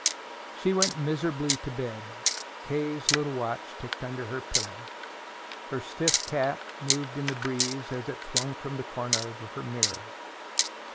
She went miserably to bed. K.'s little watch ticked under her pillow. Her stiff cap moved in the breeze as it swung from the corner of her mirror.